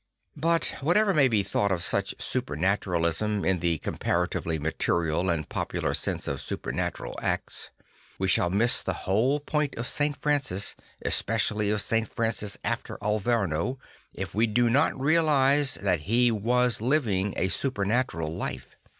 But whatever may be thought of such super naturalism in the comparatively material and popular sense of supernatural acts, we shall miss the whole point of St. Francis, especially of St. Francis after Alvemo, if we do not realise that he was living a supernatural life.